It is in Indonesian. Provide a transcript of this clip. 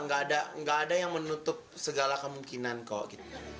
tidak ada yang menutup segala kemungkinan kok